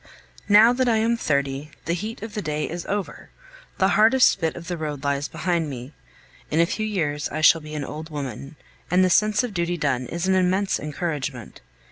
Now that I am thirty, the heat of the day is over, the hardest bit of the road lies behind me. In a few years I shall be an old woman, and the sense of duty done is an immense encouragement.